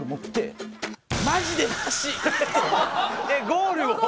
ゴールを？